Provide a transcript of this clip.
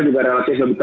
juga relatif lebih rendah